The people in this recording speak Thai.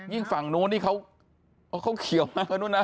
ยิ่งฝั่งโน้นเขาเขียวมากกว่านู้นนะ